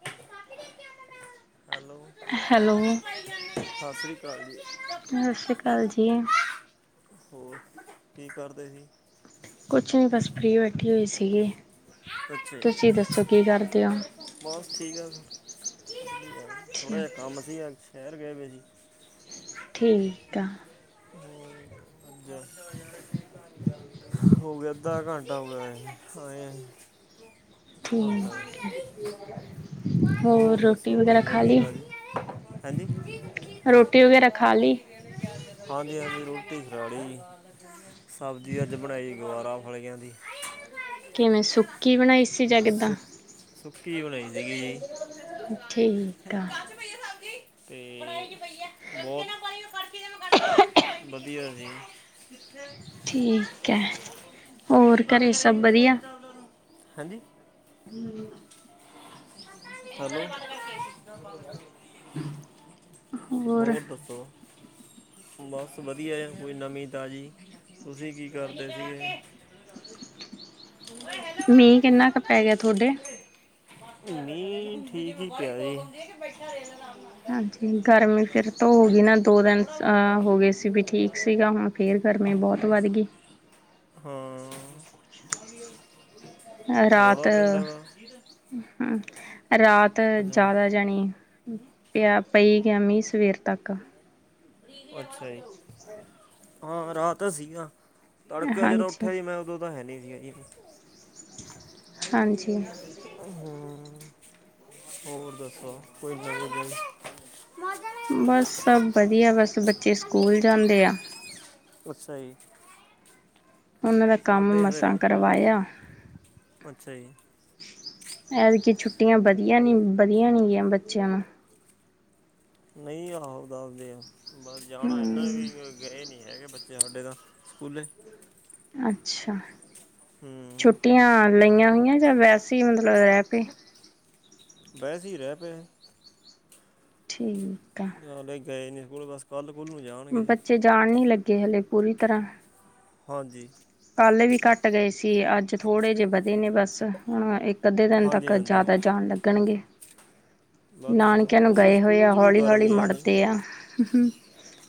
[unintelligible] Hello hello ਸਸ ਰੀ ਕਾਲ ਜੀ। ਕਰਕੇ ਸਸ ਰੀ ਦੱਸ ਗਿਆ ਕਾਲ ਤਾਂ ਜੀ। ਹੋਰ, ਕੀ ਕਰਦੇ ਸੀ? ਕੁਛ ਨੀ ਬਸ ਫ੍ਰੀ ਬੈਠੀ ਹੋਈ ਸੀਗੀ, ਅੱਛਾ ਤੁਸੀਂ ਦੱਸੋ, ਕੀ ਇਹਨੇ ਕਰਦੇ ਓ? ਗੁੰਗੇ ਦੇ ਬਸ ਠੀਕ ਆ ਸਬ, ਥੋੜ੍ਹਾ ਠੀ ਜੇਹਾ ਕੰਮ ਸੀ ਅੱਜ ਸ਼ਹਿਰ ਗਏ ਵੇ ਸੀ। ਠੀਕ ਆ। ਹੋਰ [unintelligible] ਹੋਗਿਆ, ਅੱਧਾ ਘੰਟਾ ਹੋਗਿਆ, ਆਂਏ ਆ। [inaudible] ਕੀ ਹਾਲ ਐ? ਹੋਰ ਦੱਸੋ, ਕੋਈ ਨਵੀਂ-ਤਾਜੀ? ਹੈਂਜੀ? [unintelligible] ਰੋਟੀ ਵਗੈਰਾ ਖਾ ਲਈ? ਹਾਂਜੀ-ਹਾਂਜੀ ਰੋਟੀ ਖਾਲੀ, ਸਬਜ਼ੀ ਅੱਜ ਬਣਾਈ ਗੁਵਾਰਾ ਫਲੀਆਂ ਦੀ। ਕਿਵੇਂ ਸੁੱਕੀ ਬਣਾਈ ਸੀ, ਜਾ ਕਿੱਦਾਂ? ਸੁੱਕ- ਸੁੱਕੀ ਬਣਾਈ ਸੀਗੀ, ਠੀਕ ਆ, ਕਾ'ਚ ਪਈ ਐ ਸਬਜੀ ਤੇ, [unintelligible] ਵਧੀਆ ਜੀ [inaudible] ਠੀਕ ਹੈ। ਹੋਰ ਘਰੇ ਸਭ ਵਧੀਆ? ਹੈਂਜੀ? ਹੈਲੋ ਹੋਰ ਦੱਸੋ? ਬਸ ਵਧੀਆ, ਕੋਈ ਨਵੀਂ-ਤਾਜ਼ੀ? ਤੁਸੀਂ ਕੀ ਕਰਦੇ ਸੀਗੇ? ਓਏ ਹੈਲ ਮੀਂਹ ਕਿੰਨਾ ਕ ਪੈਗਿਆ ਥੋਡੇ? ਮੀਂਹ, ਠੀਕ ਈ ਪਿਆ ਏ। ਹਾਂਜੀ, ਗਰਮੀ ਫਿਰ ਤੋਂ ਹੋ ਗਈ ਨਾ ਦੋ ਦਿਨ, ਥੋੜਾ ਬੋਲਦਾ ਜੀ ਹੋ ਗਏ ਸੀ ਵੀ ਠੀਕ ਸੀਗਾ ਹੁਣ ਫੇਰ ਗਰਮੀ ਬਹੋਤ ਵੱਧਗੀ। ਹਾਂ ਰੌਲਾ ਪੈਂਂਦਾ ਗਾ? ਹੰ, ਰਾਤ ਅੱਛਾ ਜ਼ਿਆਦਾ ਜਣੀ ਪਿਆ, ਪਈ ਗਿਆ ਮੀਂਹ ਸਵੇਰ ਤੱਕ। ਅੱਛਾ ਜੀ। [inaudible] ਹਾਂ-ਰਾਂ ਹਾਤ ਤਾ ਸੀਗਾ, ਤੜਕੇ ਜਦੋਂ ਹਾਂਜੀ, ਉੱਠਿਆ ਜੀ ਮੈਂ, ਉਦੋਂ ਤਾਂ ਹੈਨੀ ਸੀਗਾ ਜੀ। ਹਾਂਜੀ। ਹੂਂ, ਹੋਰ ਦੱਸੋ‌ ਕੋਈ ਨਵੀਂ ਗੱਲ? ਮੌਜਾਂ ਮੇਰੇ ਬਸ ਜੁੱਤੇ ਲਾ ਸਭ ਕੇ ਪਈ ਬਧੀਆ, ਆ ਬਸ ਬੱਚੇ ਕੱਲੀ ਸਕੂਲ ਪਈ ਜਾਂਦੇ ਆ। ਅੱਛਾ ਜੀ। ਉਹਨਾਂ ਦਾ ਕੰਮ ਸਾਡੇ ਹਰੇ ਮਸਾਂ ਕਰਵਾਇਆ। ਅੱਛਾ ਜੀ। ਐਦਕੀ ਛੁੱਟੀਆਂ ਵਧੀਆ ਨੀ, ਬਧੀਆ ਨੀਂ ਗੀਆਂ ਬੱਚੇਆਂ ਨੂੰ। ਨਹੀਂ, ਆਹੋ ਦਸਦੇ ਆ, ਬਸ ਜਾਣਾ ਇਹਨਾਂ ਨੇ ਹੂੰ। ਵੀ ਗਏ ਨੀ ਹੈਗੇ ਬੱਚੇ ਸਾਡੇ ਤਾਂ ਸਕੂਲੇ ਅੱਛਾ ਹੂੰ ਛੁੱਟੀਆਂ ਲਈਆਂ ਹੋਈਆਂ ਜਾਂ ਵੈਸੇ ਹੀ ਮਤਲਬ ਰਹਿ ਪੇ ਬੈਸ ਈ ਰਹਿ ਪਏ। ਠੀਕ ਆ। ਨਾਲੇ ਗਏ ਨੀਸਕੂਲ ਬਸ ਕੱਲ੍ਹ ਕੁੱਲ ਨੂੰ ਜਾਣਗੇ ਜੀ। ਬੱਚੇ ਜਾਣ ਨੀ ਲੱਗੇ ਹਲੇ ਪੂਰੀ ਤਰ੍ਹਾਂ ਹਾਂਜੀ ਕੱਲ੍ਹ ਵੀ ਘੱਟ ਗਏ ਸੀ ਅੱਜ ਥੋੜ੍ਹੇ ਜਿਹੇ ਵਧੇ ਨੇ ਬਸ ਹਾਂ ਇੱਕ ਅੱਧੇ ਦਿਨ ਹਾਂਜੀ ਤੱਕ ਹਾਂਜੀ ਜਾਦਾ ਜਾਣ ਲੱਗਣ ਗੇ। ਬਿਲਕੁਲ ਨਾਨਕਿਆਂ ਨੂੰ ਉਹ ਵੀ ਗਏ ਹੋਏ ਸਕੂਲ ਆ 'ਚ ਵੀ ਹੌਲੀ-ਹੌਲੀ ਗਰਮੀ ਜੀ ਮੁੜਦੇ ਆ ਹੂੰ।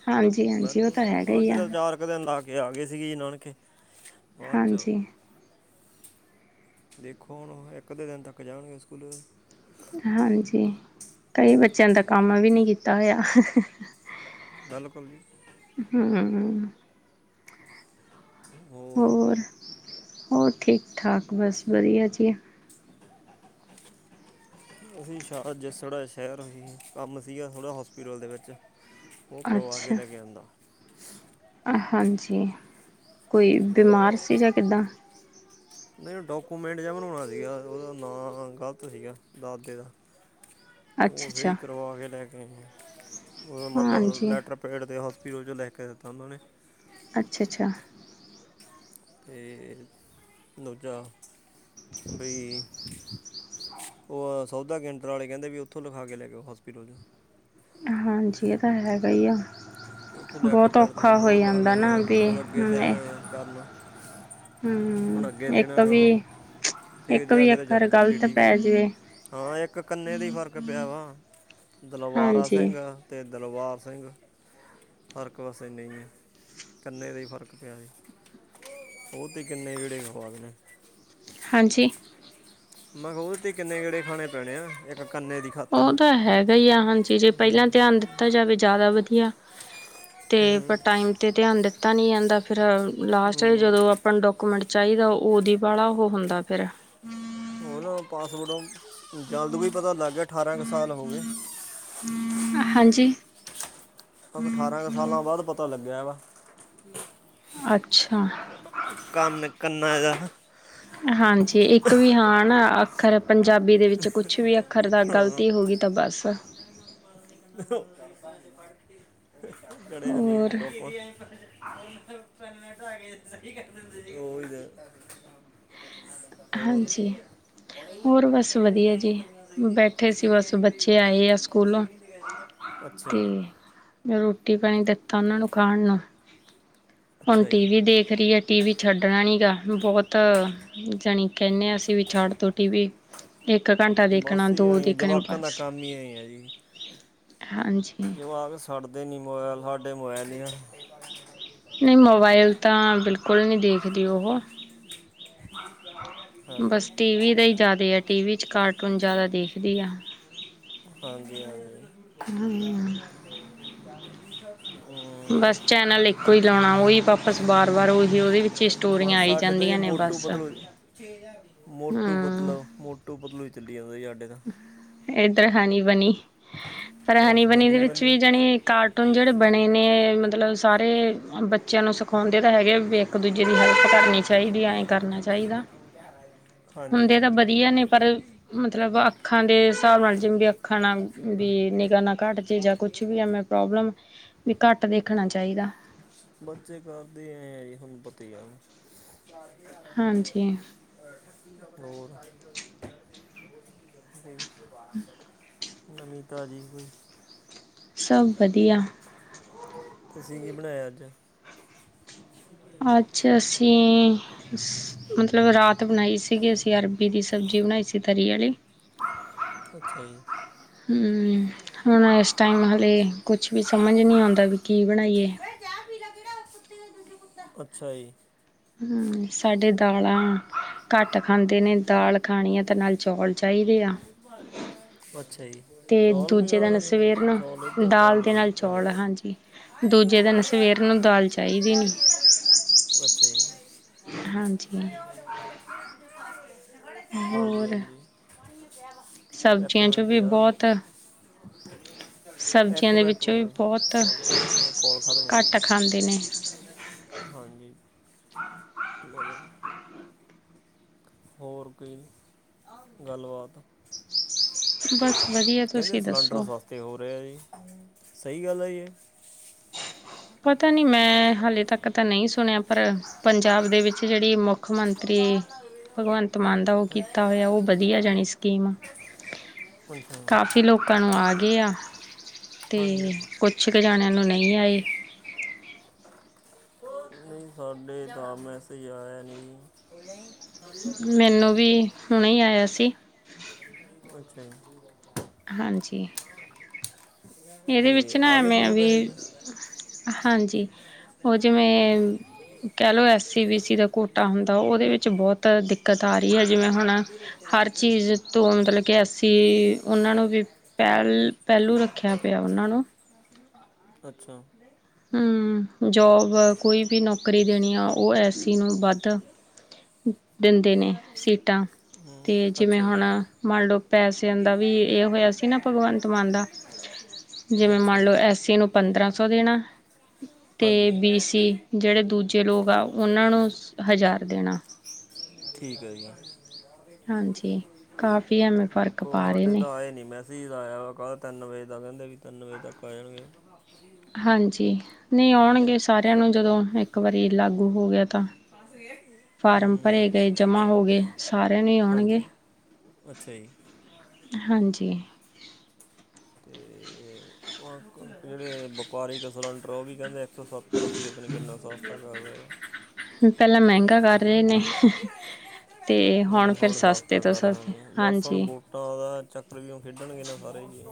ਹਾਂਜੀ-ਹਾਂਜੀ ਓ ਤਾ ਹੈਗਾ ਈ ਆ। ਇੱਕ ਦਿਨ ਲਾ ਕੇ ਆ ਗਏ ਸੀਗੇ ਜੀ ਨਾਨਕੇ ਬਾਅਦ 'ਚ ਹਾਂਜੀ ਦੇਖੋ ਹੁਣ ਇੱਕ ਅੱਧੇ ਦਿਨ ਤੱਕ ਜਾਣਗੇ ਸਕੂਲ ਹਾਂਜੀ ਕਈ ਬੱਚਿਆਂ ਦਾ ਕੰਮ ਵੀ ਨਈ ਕੀਤਾ ਹੋਇਆ। ਬਿਲਕੁਲ ਜੀ। ਹੂੰ-ਹੂੰ ਠੀਕ ਓ। ਹੋਰ-ਹੋਰ ਠੀਕ-ਠਾਕ ਬਸ ਵਧੀਆ ਜੀ। [inaudible] ਅਸੀਂ ਸ਼ਾਹ ਜਿਸ ਸਾੜਾ ਸ਼ਹਿਰ ਕੰਮ ਸੀਗਾ ਥੋੜ੍ਹਾ ਹੋਸਪਿਟਲ ਦੇ ਵਿੱਚ ਓ ਕਰਵਾ ਕੇ ਅੱਛਾ ਲੈ ਆਂਦਾ। ਹਾਂਜੀ। ਕੋਈ ਤੇ ਬਿਮਾਰ ਸੀ ਜਾਂ ਕਿੱਦਾਂ ਨਈ ਡਾਕੂਮੈਂਟ ਜਿਹਾ ਬਣਾਣਾ ਸੀਗਾ ਉਹਦਾ ਨਾਂ ਗਲਤ ਸੀਗਾ ਦਾਦੇ ਦਾ ਅੱਛਾ ਓ ਸਈ ਅੱਛਾ ਕਰਵਾ ਕੇ ਲੈ ਕੇ ਆਇਆ ਉਹਦਾ ਮਤਲਬ ਹਾਂਜੀ ਲੈਟਰ ਪ੍ਰਾਈਟ ਦੇ ਹੋਸਪੀਟਲ 'ਚੋਂ ਲੈ ਕੇ ਦਿੱਤਾ ਉਹਨਾਂ ਨੇ ਅੱਛਾ-ਅੱਛਾ। ਤੇ ਦੂਜਾ ਬਈ ਓ ਸੌਦਾ ਗਿਣਟਰ ਵਾਲੇ ਕੈਂਦੇ ਵੀ ਉੱਥੋਂ ਲਿਖਾ ਕੇ ਲੈ ਆਓ ਹੋਸਪਿਟਲ 'ਚ ਹਾਂਜੀ ਇਹ ਤਾ ਹੈਗਾ ਈ ਆ। ਉੱਥੋਂ ਲੈਟਰ ਬੋਤ ਪੈਡ ਤੇ ਫਿਰ ਔਖਾ ਹੋ ਮੋਹਰ ਲਾ ਕੇ ਜਾਂਦਾ ਨਾ ਹਾਂ ਬੀ ਹੁਣ ਅੱਗੇ ਸੈਂ ਏ। ਕਰਨਾ ਹੁਣ ਹੂੰ ਅੱਗੇ ਇੱਕ ਦੇਣਾ ਗਾ ਉਹ ਫਿਰ ਵੀ-ਇੱਕ ਜਾ ਵੀ ਕੇ ਤੇ ਅੱਖਰ ਜਨਮ ਪੱਤਰੀ ਗਲਤ ਠੀਕ ਪੈ ਹੋਣੀ ਜਵੇ। ਹਾਂ ਇੱਕ ਕੰਨੇ ਦੀ ਫਰਕ ਪਿਆ ਵਾ ਦਲਵਾਰਾ ਹਾਂਜੀ ਸਿੰਘ। ਤੇ ਦਲਬਾਰ ਸਿੰਘ। ਫਰਕ ਬਸ ਐਨਾ ਈ ਐ ਕੰਨੇ ਦਾ ਈ ਫਰਕ ਪਿਆ ਹੀ। ਓ ਤੇ ਕਿੰਨੇ ਜੇੜੇ ਖਵਾ ਦੇ ਨੇ। ਹਾਂਜੀ ਮੈਂ ਕਿਆ ਓ ਤੇ ਕਿੰਨੇ ਗੇੜੇ ਖਾਣੇ ਪੈਣੇ ਆ ਇੱਕ ਕੰਨੇ ਦੀ ਖਾਤਰ ਓ ਤਾ ਹੈਗਾ ਈ ਆ ਹਾਂਜੀ ਜੇ ਪੈਲਾਂ ਧਿਆਨ ਦਿੱਤਾ ਜਾਵੇ ਜਾਦਾ ਵਧੀਆ ਤੇ ਪਰ ਹੂੰ ਟਾਈਮ ਤੇ ਧਿਆਨ ਦਿੱਤਾ ਨੀ ਜਾਂਦਾ ਫਿਰ ਲਾਸਟ 'ਚ ਹੂੰ ਜਦੋਂ ਆਪਾਂ ਡਾਕੂਮੈਂਟ ਚਾਹੀਦਾ ਉਹਦੀ ਵਾਲਾ ਓ ਹੁੰਦਾ ਫਿਰ ਹੋਰ ਪਾਸਪੋਰਟ ਜਲਦ ਕੋਈ ਪਤਾ ਲੱਗ ਗਿਆ ਅਠਾਰਾਂ ਕੁ ਸਾਲ ਹੋ ਗਏ। ਹਾਂਜੀ ਅਠਾਰਾਂ ਕੁ ਸਾਲਾਂ ਬਾਦ ਪਤਾ ਲੱਗਿਆ ਵਾ। ਅੱਛਾ ਕੰਨ ਕੰਨਾ ਇਹਦਾ ਹਾਂਜੀ। ਇੱਕ ਵੀ ਹਾਂ ਨਾ ਅੱਖਰ ਪੰਜਾਬੀ ਦੇ ਵਿੱਚ ਕੁਛ ਵੀ ਅੱਖਰ ਦਾ ਗ਼ਲਤੀ ਹੋ ਗਈ ਤਾਂ ਬਸ। [unintelligible] ਹੋਰ ਹੁਨ ਪੈਨੇਟ ਹੈਗੇ ਸਹੀ ਕਹਿੰਦੇ ਸੀ, ਉਹੀ ਤੇ ਹੋਰ ਹਾਂਜੀ ਹੋਰ ਬਸ ਵਧੀਆ ਜੀ। ਬੈਠੇ ਸੀ ਬਸ ਬੱਚੇ ਆਏ ਆ ਸਕੂਲੋਂ। ਅੱਛਾ ਤੇ ਜੀ ਮੈਂ ਰੋਟੀ-ਪਾਣੀ ਦਿੱਤਾ ਉਨਾਂ ਨੂੰ ਖਾਣ ਨੂੰ। ਹੁਣ ਅੱਛਾ ਜੀ ਟੀਵੀ ਦੇਖ ਰਹੀ ਐ, ਟੀ ਵੀ ਛੱਡਣਾ ਨੀ ਗਾ ਬਹੁਤ ਜਾਣੀ ਕਹਿੰਦੇ ਆਂ, ਅਸੀਂ ਵੀ ਛੱਡ ਦੋ ਟੀ ਵੀ। ਇੱਕ ਘੰਟਾ ਬਸ ਦੇਖਨਾ, ਹੀ ਦੋ ਆਈ ਦੇਖਣੇ ਜਵਾਕਾਂ ਦਾ ਬਸ ਕੰਮ ਹੀ ਹਾਂਜੀ ਜੁਆਕ ਛੱਡਦੇ ਨੀ ਮੋਬਾਇਲ ਹਾਡੇ, ਮੋਬਾਇਲ ਈ ਏ -ਕੀ ਪੜਨਾ ਏਨਾ ਅਗੇ। ਨਈ, ਮੋਬਾਈਲ ਤਾਂ ਬਿਲਕੁਲ ਨਹੀਂ ਦੇਖਦੀ ਉਹੋ। ਅਸੀਂ ਜਾ ਰਹੇ ਆਂ। ਹੈਲੋ ਟੀ ਵੀ ਦਾ ਹੀ ਜ਼ਿਆਦਾ ਆ ਟੀ ਵੀ 'ਚ ਕਾਰਟੂਨ ਜ਼ਿਆਦਾ ਦੇਖਦੀ ਆ [unintelligible] ਹਾਂਜੀ-ਹਾਂਜੀ। ਚਾਰ ਹਮ ਹਜਾਰ ਚ ਚਾਰ ਟੀ-ਸ਼ਰਟ ਸੀ ਕੋਈ। ਬਸ ਚੈਨਲ ਇੱਕੋ ਹੀ ਲਾਉਣਾ, ਉਈ ਵਾਪਸ ਬਾਰ-ਬਾਰ ਉਹੀ ਉਦੇ ਵਿੱਚ ਹੀ ਸਟੋਰੀਆਂ ਆਈ ਜਾਂਦੀਆਂ ਨੇ ਬਸ। ਬੇਨ ਜੀ ਛੇ ਹਜਾਰ ਦੀ ਪਓ-ਮੋਟੂ ਹੂੰ, ਪਤਲੂ, ਮੋਟੂ ਪਤਲੂ ਈ ਚੱਲੀ ਜਾਂਦਾ ਜੀ ਹਾਡੇ ਤਾਂ ਏਧਰ ਹਨੀ-ਬਨੀ। [unintelligible] ਪਰ ਹਨੀ-ਬਨੀ ਹਨੀ ਦੇ ਵਿੱਚ ਬਣੀ ਵੀ ਜਾਣੀ ਕਾਰਟੂਨ, ਜਿਹੜੇ ਬਨੇ ਨੇ ਮਤਲਬ ਸਾਰੇ ਬੱਚਿਆਂ ਨੂੰ ਸਖਾ ਸਖਾਉਂਦੇ ਤਾਂ ਹੈਗੇ ਆ ਵੇਖ ਇੱਕ ਦੂਜੇ ਦੀ ਹੈਲਪ ਕਰਨੀ ਚਾਹੀਦੀ ਐ, ਏਅ ਕਰਨਾ ਚਾਹੀਦਾ, ਹਾਂਜੀ ਹੁੰਦੇ ਤਾਂ ਹਾਂਜੀ ਵਧੀਆ ਨੇ ਪਰ ਮਤਲਬ ਆਖਾ ਅੱਖਾਂ ਦੇ ਹਿਸਾਬ ਨਾਲ, ਜਿਵੇ ਵੀ ਅੱਖਾਂ ਨਾਲ ਵੀ ਨਿਗਾਹ ਨਾ ਘੱਟ ਜੇ, ਜਾਂ ਕੁਛ ਵੀ ਆਵੇ ਪ੍ਰੋਬਲਮ ਵੀ ਘੱਟ ਦੇਖਣਾ ਚਾਹੀਦਾ। ਬੱਚੇ ਕਰਦੇ ਐ ਆ ਈ, ਹੁਣ ਪਤਾ ਈ ਆ ਨਾ। ਚਾਰਜ ਈ ਲਾ ਲੈ ਓਨੀ ਦੇਰ। [unintelligible] ਹਾਂਜੀ ਨਵੀ ਤਾਜ਼ੀ ਕੋਈ। ਸਭ ਵਧੀਆ। ਤੁਸੀਂ ਕੀ ਬਨਾਏਆ ਅੱਜ? ਅੱਜ ਅਸੀਂ -ਮਤਲਬ ਰਾਤ ਬਨਾਈ ਸੀ। ਸੀ ਅਸੀਂ ਅਰਬੀ ਦੀ ਸਬਜ਼ੀ ਬਨਾਈ ਸੀ, ਤਰੀ ਆਲੀ। ਅੱਛਾ ਜੀ ਹੂੰ ਹੁਨ ਏਸ ਟਾਈਮ ਹਾਲੇ ਕੁਛ ਵੀ ਸਮਝ ਨੀ ਆਉਂਦਾ ਵੀ ਕੀ ਬਨਾਈਏ। ਓਏ ਚਾਅ ਪੀ ਲਾ, ਕੇੜਾ ਓ ਕੁਤੀ ਦਾ ਜੁਜੂ ਕੁੱਤਾ ਆ, ਅੱਛਾ ਜੀ। ਹੂੰ -ਸਾਡੇ ਦਾਲਾਂ। ਘੱਟ ਖਾਂਦੇ ਨੇ, ਦਾਲ ਖਾਣੀ ਆ ਤੇ ਨਾਲ ਚੌਲ ਚਾਹੀਦੇ ਆ। ਅੱਛਾ ਜੀ ਤੇ ਚੌਲ ਵੀ ਦੂਜੇ ਨਾਲ ਦਿਨ ਖਾਂਦੇ ਸਵੇਰ ਸੀ, ਚੌਲ ਏਧਰ ਤਾ ਨਈ ਜੀ ਬਨੇ। ਜੀ ਅੱਛਾ ਨੀ ਹਾਂਜੀ ਹੋਰ ਜੀ। ਹਾਂਜੀ-ਹਾਂਜੀ। ਏਕ ਸਬਜ਼ੀਆਂ ਚੋਂ ਮੇਂਟ ਵੀ ਯਾਰ ਬਾ ਬਹੁਤ ਸਬਜ਼ੀਆਂ ਏਕ ਦੇ ਮੇਂਟ ਖਲੋ ਵਿੱਚੋਂ ਵੀ ਜੋ, ਬਹੁਤ ਚੱਲ ਕੋਲ ਖਤਮ ਹੋ ਲੈਨ ਦੇ। ਘੱਟ ਖਾਂਦੇ ਨੇ ਹਾਂਜੀ ਬੋਲੋ। ਹੋਰ ਕੋਈ ਗੱਲਬਾਤ? ਬਸ ਵਧੀਆ ਕਹਿੰਦੇ ਤੁਸੀਂ ਸਿਲੰਡਰ ਦੱਸੋ ਸਸਤੇ ਹੋ ਰਹੇ ਜੀ, ਸਹੀ ਗੱਲ ਹੈ ਜੀ? ਪਤਾ ਨੀ ਮੈਂ ਹਾਲੇ ਤੱਕ ਤਾਂ ਨਈ ਸੁਣਿਆ ਪਰ, ਪੰਜਾਬ ਦੇ ਵਿੱਚ ਜਿਹੜੀ ਮੁੱਖ ਮੁੱਖ ਮੰਤਰੀ, ਭਗਵੰਤ ਮਾਨ ਦਾ ਉਹ ਕੀਤਾ ਹੋਇਆ ਉਹ ਵਧੀਆ ਜਾਣੀ ਸਕੀਮ। ਅੱਛਾ ਕਾਫ਼ੀ ਲੋਕਾਂ ਨੂੰ ਆ ਗੇ ਆ ਤੇ ਹਾਂਜੀ ਕੁ -ਛ- ਕੁ ਜਾਣਿਆਂ ਨੂੰ ਨਈ ਆਏ। ਨਹੀਂ ਸਾਡੇ ਤਾਂ ਮੈਸੇਜ ਆਇਆ ਨਹੀਂ ਜੀ ਮੈਨੂੰ ਵੀ ਹੁਣੇ ਹੀ ਆਇਆ ਸੀ। ਅੱਛਾ ਜੀ। ਹਾਂਜੀ ਇਹਦੇ ਵਿੱਚ ਤੇ ਨਾ ਆ ਗਏ ਐਵੇਂ ਤੁਆਨੂੰ ਪੈਸੇ ਵੀ ਜੀ? ਹਾਂਜੀ ਉਹ ਜਿਵੇਂ ਕਹਿ ਲਓ ਐਸਸੀ-ਬੀਸੀ ਦਾ ਕੋਟਾ ਹੁੰਦਾ ਉਹਦੇ ਵਿੱਚ ਬੋਤ ਦਿੱ ਦਿੱਕਤ ਆਰੀ ਹੈ ਜਿਵੇਂ ਹੁਣ, ਹਰ ਚੀਜ਼ ਤੋਂ ਮਤਲਬ ਕਿ ਐਸੀਂ ਉਹਨਾਂ ਨੂੰ ਵੀ ਪੈਲ -ਪਹਿਲੂ ਰੱਖਿਆ ਪਿਆ ਉਹਨਾਂ ਨੂੰ ਅੱਛਾ ਹਮ ਜੋਬ ਵਾ ਕੋਈ ਵੀ ਨੌਕਰੀ ਦੇਣੀ ਆ ਉਹ ਐਸੀ ਨੂੰ ਵੱਧ ਦਿੰਦੇ ਨੇ ਦੇਰ ਸਹੀ ਸੀਟਾਂ ਹੂੰ ਤੇ ਜਿਵੇਂ ਅੱਛਾ ਜੀ ਹੁਣ ਮੰਨ ਲਓ ਪੈਸਿਆਂ ਅੱਗੇ ਦਾ ਨੂੰ ਮੈਂ ਵੀ ਇੱਧਰ ਇਹ ਬੈਠ ਕੇ ਹੋਇਆ ਸੀ ਨਾ ਬੈਠ ਮੈਂ ਭਗਵੰਤ ਉੱਥੇ ਮਾਨ ਇੱਧਰ ਦਾ, ਬੈਠ ਕੇ ਖਾਣੀ ਜਾ ਫਿਰ ਜਿਵੇਂ ਅੱਛਾ ਮੰਨ ਜੀ ਲਓ ਐਸੀ ਨੂੰ ਪੰਦਰਾਂ ਸੌ ਦੇਣਾ। ਤੇ ਹਾਂਜੀ ਬੀਸੀ ਨਹੀਂ ਜਿਹੜੇ ਦੂਜੇ ਲੋਗ ਆ ਉਹਨਾਂ ਨੂੰ ਹਜ਼ਾਰ ਦੇਣਾ। ਹੁਣ ਠੀਕ ਆਈ ਆ। ਹਾਂਜੀ ਕਾਫੀ ਐਵੇਂ ਫ਼ਰਕ ਦੇਖੋ ਪਾ ਰਹੇ ਸਾਡੇ ਨੇ ਤਾਂ ਆਏ ਨੀ ਮੈਂ ਮੈਸੀਜ ਆਇਆ ਵਾ ਕੱਲ ਤਿੰਨ ਵਜੇ ਦਾ ਕਹਿੰਦੇ ਵੀ ਤਿੰਨ ਵਜੇ ਤੱਕ ਆ ਜਾਣਗੇ। ਹਾਂਜੀ ਨੀ ਆਉਣਗੇ ਸਾਰਿਆਂ ਨੂੰ ਜਦੋਂ ਇੱਕ ਵਾਰੀ ਲਾਗੂ ਹੋ ਗਿਆ ਤਾਂ। ਫਸ ਗਏ ਫਾਰਮ ਭਰੇ ਹੂੰ ਗਏ ਜਮਾ ਹੋ ਗਏ ਸਾਰਿਆਂ ਨੂੰ ਈ ਆਣਗੇ। ਹਾਂਜੀ ਅੱਛਾ ਜੀ। ਹਾਂਜੀ ਤੇ [unintelligible] ਜੇੜੇ ਵਪਾਰਕਿ ਸਿਲੰਡਰ ਉਹ ਵੀ ਕਹਿੰਦੇ ਇੱਕ ਸੌ ਸੱਤ ਇਕ ਰੁਪੈਈ ਏ ਤੇ ਨੀ ਕਰਨਾ ਸਸਤਾ ਕਰ ਰਿਹਾ ਐ। ਪਹਿਲਾਂ ਮਹਿੰਗਾ ਕਰ ਰਹੇ ਨੇ ਤੇ ਹੂੰ ਫਿਰ ਹੁਣ ਖ ਸਸਤੇ ਸਸਤਾ ਤੋਂ ਕਰਣ ਸਸਤੇ ਗੀਆਂ, ਬਸ ਹੁਣ ਹਾਂਜੀ ਵੋਟਾਂ ਦਾ ਚੱਕਰ ਵੀ ਹੁਣ ਖੇਡਣਗੇ ਨਾ ਸਾਰੇ ਜੀ।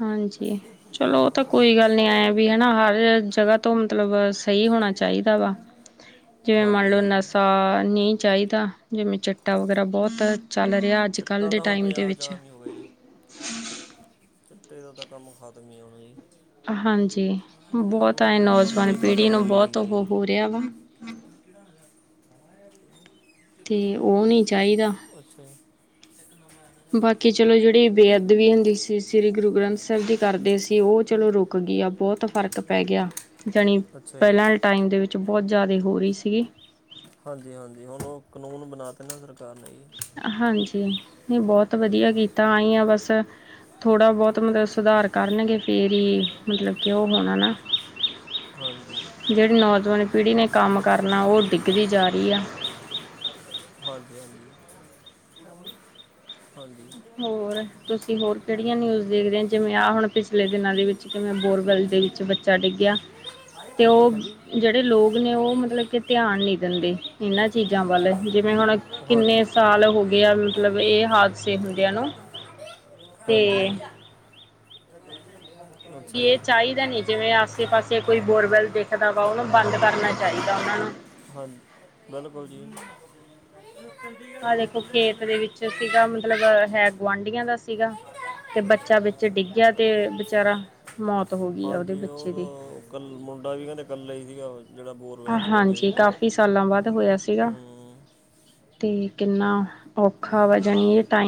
ਹਾਂਜੀ, ਚਲੋ ਉਹ ਤਾਂ ਕੋਈ ਗੱਲ ਨੀ ਐਵੀ ਹੈ ਨਾ ਹਰ ਜਗ੍ਹਾ ਤੋਂ ਮਤਲਬ ਸ ਸਹੀ ਹੋਣਾ ਚਾਹੀਦਾ ਵਾ, ਜਿਵੇਂ ਮੰਨ ਹਾਂਜੀ ਲਓ ਹਾਂਜੀ ਨਸ਼ਾ ਨੀ ਚਾਹੀਦਾ। ਜਿਵੇਂ ਚਿੱੱਟਾ ਵਗੈਰਾ ਬਹੁਤ ਚੱਲ ਰਿਹਾ ਅੱਜ-ਕੱਲ ਚਿੱਟਾ ਦੇ ਤਾਂ ਹੁਣ ਟਾਈਮ ਦੇ ਪੰਜਾਬ ਚ ਵਿੱਚ ਆਮ ਹੀ ਹੋ ਗਈ। ਚਿੱਟੇ ਦਾ ਤਾਂ ਕੰਮ ਖ਼ਤਮ ਨੀ ਹੋਣਾ ਜੀ। ਹਾਂਜੀ, ਬੋਤ ਐ ਹੁਣ ਨੌਜਵਾਨ ਬੰਦੇ ਪੀੜ੍ਹੀ ਖਤਮ ਨੂੰ ਹੋਈ ਬੋਤ ਉਹ ਜਾਂਦੇ ਜੀ ਹੋ-ਹੋ ਰਿਹਾ ਵਾ। [inaudible] ਤੇ ਉਹ ਨਹੀਂ ਚਾਹੀਦਾ। ਅੱਛਾ ਬਾਕੀ ਚਲੋ ਜੇੜੀ ਬੇਅਦਬੀ ਹੁੰਦੀ ਸੀ। ਸ਼੍ਰੀ ਗੁਰੂ ਗ੍ਰੰਥ ਸਾਹਿਬ ਦੀ ਕਰਦੇ ਸੀ ਉਹ ਚਲੋ ਰੁਕ ਗਈ ਆ ਬੋਤ। ਫ਼ਰਕ ਪੈ ਗਿਆ। ਜਾਣੀ ਅੱਛਾ ਜੀ ਪਹਿਲਾਂ ਵਾਲੇ ਟਾਈਮ ਦੇ ਵਿੱਚ ਬੋਤ ਜ਼ਿਆਦੇ ਹੋ ਰਹੀ ਸੀਗੀ। ਹਾਂਜੀ ਹਾਂਜੀ, ਹੁਣ ਉਹ ਕਾਨੂੰਨ ਬਣਾ ਤਾ ਨਾ ਸਰਕਾਰ ਨੇ ਜੀ। ਹਾਂਜੀ, ਨਹੀਂ ਬਹੁਤ ਵਧੀਆ ਕੀਤਾ ਆਈ ਹਾਂ ਬਸ। ਥੋੜ੍ਹਾ ਬਹੁਤ ਮੱਤਲਬ ਸੁਧਾਰ ਕਰਨਗੇ ਫਿਰ ਹੀ ਮਤਲਬ ਕਿ ਉਹ ਹੋਣਾ ਨਾ। ਹਾਂਜੀ ਜਿਹੜੀ ਨੌਜਵਾਨ ਪੀੜ੍ਹੀ ਨੇ ਕੰਮ ਕਰਨਾਂ, ਉਹ ਡਿੱਗਦੀ ਜਾ ਰਹੀ ਆ। ਹਾਂਜੀ -ਹਾਂਜੀ, ਹਾਂਜੀ। ਹੋਰ ਤੁਸੀਂ ਹੋਰ ਕਿਹੜੀਆਂ ਨਿਊਜ਼ ਦੇਖਦੇ ਹੋ, ਜਿਵੇਂ ਆਹ ਹੁਣ ਪਿਛਲੇ ਦਿਨਾਂ ਦੇ ਵਿੱਚ ਕਿਵੇਂ ਬੋਰਵਲ ਦੇ ਵਿੱਚ ਬੱਚ ਚਾ ਡਿੱਗਿਆਂ। [inaudible] ਹਾਂਜੀ। ਨੇ ਉਹ ਮਤਲਬ ਕਿ ਧਿਆਨ ਨਹੀਂ ਦਿੰਦੇ ਇਹਨਾਂ ਚੀਜ਼ਾਂ ਵੱਲ ਜਿਵੇਂ ਹੁਣ ਹਾਲ [unintelligible] ਕਿੰਨੇ ਸਾਲ ਹੋ ਗਏ ਆ ਮਤਲਬ ਇਹ ਹਾਦਸੇ ਹੁੰਦਿਆਂ ਨੂੰ ਤੇ ਹਾਂਜੀ। ਬੀ ਅੱਛਾ ਜੀ ਇਹ ਚਾਹੀਦਾ ਨੀ ਜਿਵੇਂ ਆਸ -ਸੇ ਪਾਸੇ ਕੋਈ ਬੋਰਵੈਲ ਦੇਖਦਾਂ ਵਾ, ਉਹਨੂੰ ਬੰਦ ਕਰਨਾਂ ਚਾਹੀਂਦਾ ਉਹਨਾਂ ਨੂੰ। ਹਾਂਜੀ ਬਿਲਕੁਲ ਜੀ। ਆਹ ਦੇਖੋ ਖੇਤ ਦੇ ਵਿੱਚ ਸੀਗਾ ਮੱਤਲਬ ਹੈ ਗੁਆਂਢੀਆਂ ਦਾ ਸੀਗਾ। ਤੇ ਬੱਚਾ ਵਿੱਚ ਡਿੱਗਿਆ ਤੇ ਵਿਚਾਰਾ ਮੌਤ ਹੋ ਗਈ ਆ ਉਹਦੇ ਹਾਂਜੀ ਬੱਚੇ ਦੀ। ਉਹ ਕੱਲ ਮੁੰਡਾਂ ਵੀ ਕਹਿੰਦੇ ਇਕੱਲਾ ਹੀ ਸੀਗਾ, ਉਹ ਜਿਹੜਾ ਬੋਰਵੈਲ 'ਚ ਡਿੱਗਿਆ ਜੀ। ਪੀ ਸਾਲਾਂ ਬਾਅਦ ਹੋਇਆ ਸੀਗਾ, ਹੂੰ ਤੇ ਕਿੰਨਾਂ ਔਖਾ ਵਾ ਜਾਣੀ ਇਹ ਟਾ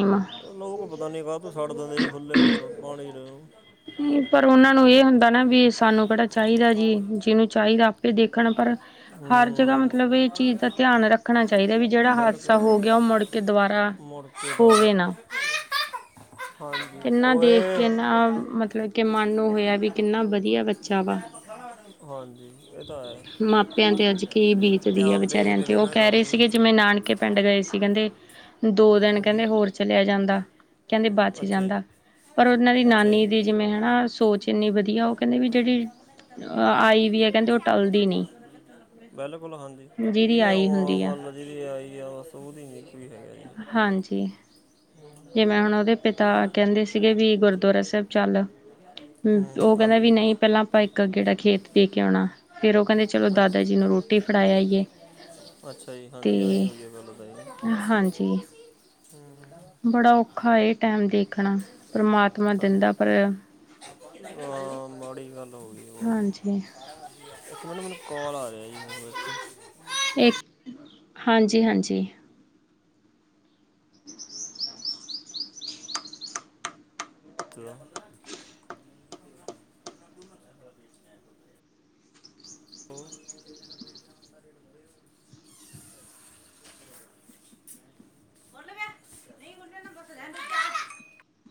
ਲੋਕ ਪਤਾਂ ਨੀ ਕਾਹਤੋਂ ਛੱਡ ਦਿੰਦੇ ਸੀ ਖੁੱਲੇ ਹੋਰ ਪਾਣੀਂ [unintelligible] ਪਰ ਉਹਨਾਂ ਨੂੰ ਇਹ ਹੁੰਦਾ ਨਾ ਵੀ ਸਾਂਨੂੰ ਕਿਹੜਾ ਚਾਹੀਂਦਾ ਜੀ, ਜਿਹਨੂੰ ਚਾਹੀਂਦਾ ਆਪੇ ਦੇਖਣ ਪਰ ਹਰ ਜਗ੍ਹਾ ਹੂੰ ਮੱਤਲਬ ਇਹ ਚੀਜ਼ ਦਾ ਧਿਆਨ ਰੱਖਣਾ ਚਾਹੀਦਾਂ ਵੀ, ਜਿਹੜਾ ਹਾਦਸਾ ਹੋ ਗਿਆਂ ਉਹ ਮੁੜ ਕੇ ਦੁਬਾਰਾ। ਸਹੀ ਗੱਲ਼। ਹੋਵੇ ਨਾ। ਹਾਂਜੀ। ਕਿੰਨਾ ਦੇਖ ਕੇ ਨਾ ਮਤਲਬ ਕਿ ਮਨ ਨੂੰ ਹੋਇਆ ਵੀ ਕਿੰਨਾ ਵਧੀਆ ਬੱਚਾ ਵਾ। ਹਾਂਜੀ ਉਹ ਤਾਂ। ਹੈ ਮਾਪਿਆਂ ਤੇ ਅੱਜ ਕੀ ਬੀਤਦੀ ਹੈ ਧਿਆਨ ਵਚਾਰਿਆਂ ਦੇਖਦੇ ਤੇ ਨਹੀਂ ਉਹ ਨਾ ਇਹ ਕਹਿ ਲੋਕ ਰਹੇ ਜੀ ਸੀਗੇ ਜਿਵੇਂ ਨਾਨਕੇ ਪਿੰਡ ਗਏ ਸੀ ਕਹਿੰਦੇ। ਦੋ ਦਿਨ ਹਾਂਜੀ ਕਹਿੰਦੇ ਹੋਰ ਚਲਿਆਂ ਜਾਂਦਾ ਕਹਿੰਦੇ ਬੱਚ ਅੱਛਾ ਜੀ ਜਾਂਦਾ। ਪਰ ਉਹਨਾਂ ਦੀ ਅੱਛਾ ਜੀ ਨਾਨੀ ਦੀ ਜਿਵੇਂ ਹਨਾ, ਸੋਚ ਇੰਨੀ ਵਧੀਆਂ ਉਹ ਕਹਿੰਦੀ ਵੀ ਜਿਹੜੀ ਆਈ ਵੀ ਹੈ ਕਹਿੰਦੇ ਉਹ ਟੱਲਦੀ ਨੀਂ। ਬਿਲਕੁਲ ਹਾਂਜੀ, ਜਿਹਨੇ ਆਈ ਆਉਣਾਂ ਹੁੰਦੀ ਆ। ਮਤਲਬ ਜਿਹਦੀ ਆਈ ਆ ਬਸ ਉਹਦੀ ਹੀ। ਹੈਗਾ। ਹਾਂਜੀ ਵੀ- ਵੀ ਗੁਰਦੁਆਰਾ ਸਾਹਿਬ ਚੱਲ। ਹੂੰ, ਉਹ ਕਹਿੰਦਾ ਹਾਂਜੀ। ਵੀ ਨਹੀਂ ਪਹਿਲਾਂ ਆਪਾਂ ਇੱਕ ਗੇੜਾ ਖੇਤ ਦੇ ਕੇ ਆਉਣਾ। ਫੇਰ ਉਹ ਕਹਿੰਦੇ ਚਲੋ ਦਾਦਾ ਜੀ ਨੂੰ ਰੋਟੀ ਫੜਾਇਆ ਆਈਏ ਅੱਛਾ ਜੀ, ਤੇ ਹਾਂਜੀ ਆ ਵਧੀਆਂ ਗੱਲ਼। [unintelligible] ਬੜਾ ਔਖਾ ਇਹ ਟੈਮ ਦੇਖਣਾਂ, ਪਰਮਾਤਮਾ ਹਾਂਜੀ ਦਿੰਦਾਂ ਪਾਇਆਂ। ਹਾਂ ਮਾੜੀ ਗੱਲ ਹੋ ਗਈ ਬਹੁਤ। ਹਾਂਜੀ, ਇੱਕ ਮਿੰਟ ਮੈਂਨੂੰ ਕਾਲ ਆ ਰਿਹਾ ਜੀ, ਇੱਕ ਮਿੰਟ। ਇੱਕ, ਹਾਂਜੀ- ਹਾਂਜੀ। [inaudible] [unintelligible] ਕਿਉਂ। [unintelligible]